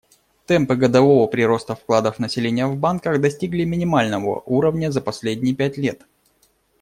Темпы годового прироста вкладов населения в банках достигли минимального уровня за последние пять лет.